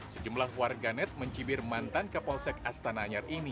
sejumlah warganet mencibir mantan kapolsek astana anyar ini